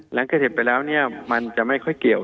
หลังเกิดเหตุไปแล้วเนี่ยมันจะไม่ค่อยเกี่ยว